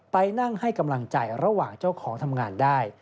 ไปนั่งให้กำลังใจระหว่างเจ้าของทำงานได้